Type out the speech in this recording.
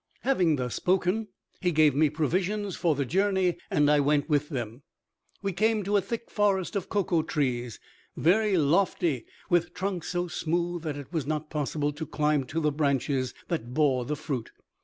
Having thus spoken, he gave me provisions for the journey, and I went with them. We came to a thick forest of cocoa trees, very lofty, with trunks so smooth that it was not possible to climb to the branches that bore the fruit.